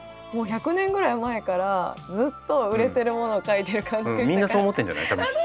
もう１００年ぐらい前からずっと売れてるものを書いてる感じがしたから。